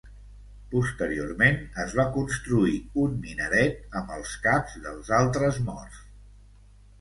Posteriorment es va construir un minaret amb els caps dels altres morts.